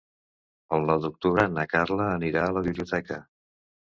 El nou d'octubre na Carla anirà a la biblioteca.